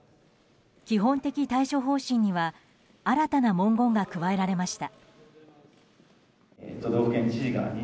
基本的対処方針には新たな文言が加えられました。